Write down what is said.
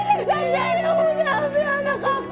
dia yang udah ambil anak aku